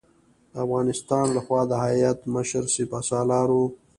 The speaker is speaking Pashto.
د افغانستان له خوا د هیات مشر سپه سالار و.